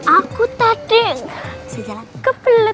aku tadi bisa jalan ke pelet